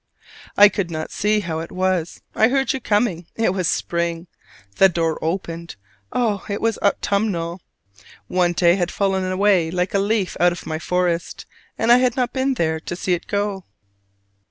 I could not see how it was: I heard you coming it was spring! The door opened: oh, it was autumnal! One day had fallen away like a leaf out of my forest, and I had not been there to see it go!